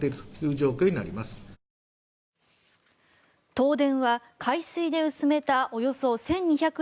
東電は海水で薄めたおよそ１２００